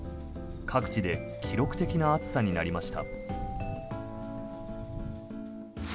各地で記録的な暑さになりました。